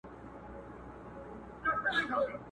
که بارونه په پسونو سي څوک وړلای!!